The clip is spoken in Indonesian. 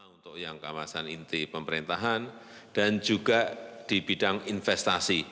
untuk yang kawasan inti pemerintahan dan juga di bidang investasi